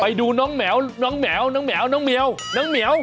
ไปดูน้องแหมวแหมว